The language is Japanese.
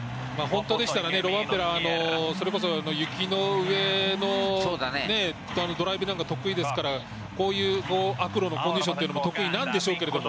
本当でしたらロバンペラそれこそ雪の上のドライビングなんか得意ですからこういう悪路のコンディションというのも得意なんでしょうけど。